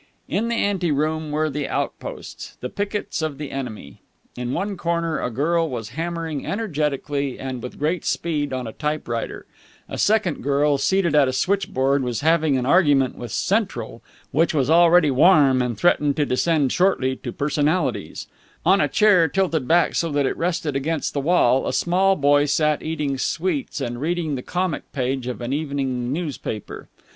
In the ante room were the outposts, the pickets of the enemy. In one corner a girl was hammering energetically and with great speed on a typewriter; a second girl, seated at a switchboard, was having an argument with Central which was already warm and threatened to descend shortly to personalities; on a chair tilted back so that it rested against the wall, a small boy sat eating sweets and reading the comic page of an evening newspaper.